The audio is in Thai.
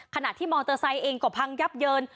ขณะที่มอเตอร์ไซค์เองก็พังยับเยิน